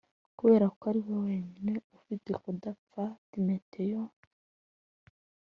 kubera ko ari we wenyine ufite kudapfa Timoteyo